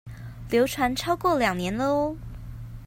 流傳超過兩年了喔